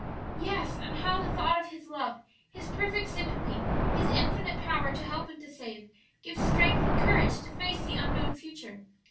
"Yes; and how the thought of His love, His perfect sympathy, His infinite power to help and to save, gives strength and courage to face the unknown future.